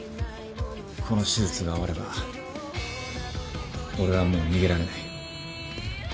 この手術が終われば俺はもう逃げられない。